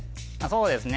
そうですね